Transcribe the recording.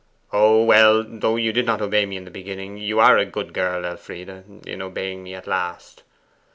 'Oh, well; though you did not obey me in the beginning, you are a good girl, Elfride, in obeying me at last.